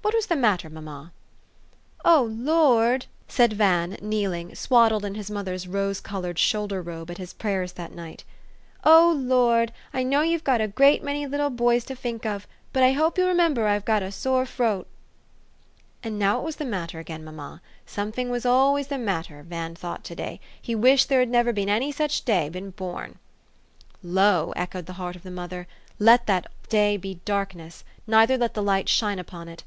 What was the matter, mamma? u O Lord! " said Van, kneeling, swaddled in his mother's rose colored shoulder robe at his prayers that night, " O Lord ! I know you've got a great many little boys to fink of; but I hope you'll re member I've got a sore froat." And now what was the matter, again, mamma? Somefing was always the matter, Van thought to day. He wished there had never any such day been born. " Lo !" echoed the heart of the mother, " let that day be darkness ; neither let the light shine upon it.